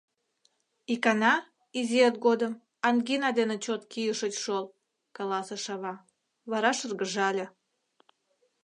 Икана, изиэт годым, ангина дене чот кийышыч шол, — каласыш ава, вара шыргыжале.